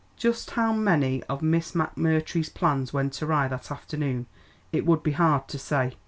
Just how many of Miss McMurtry's plans went awry that afternoon it would be hard to say.